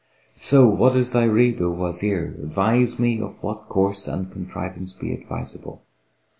So what is thy rede, O Wazir? Advise me of what course and contrivance be advisable!"